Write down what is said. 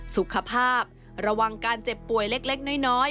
สุขภาพระวังการเจ็บป่วยเล็กน้อย